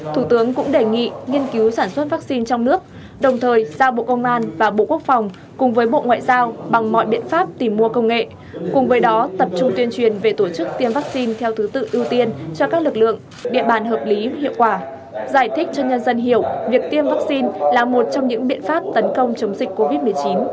thủ tướng cũng đề nghị nghiên cứu sản xuất vaccine trong nước đồng thời giao bộ công an và bộ quốc phòng cùng với bộ ngoại giao bằng mọi biện pháp tìm mua công nghệ cùng với đó tập trung tuyên truyền về tổ chức tiêm vaccine theo thứ tự ưu tiên cho các lực lượng địa bàn hợp lý hiệu quả giải thích cho nhân dân hiểu việc tiêm vaccine là một trong những biện pháp tấn công chống dịch covid một mươi chín